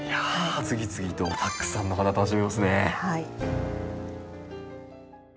次々とたくさんの花楽しめますね。